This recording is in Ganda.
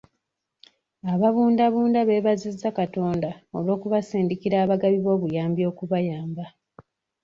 Ababundabunda b'ebaziza Katonda olw'okubasindikira abagabi b'obuyambi okubayamba.